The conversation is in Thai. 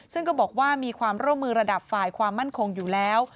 ซึ่งก็บอกว่ามีความร่วมมือระดับฝ่ายความมั่นคงอยู่แล้ว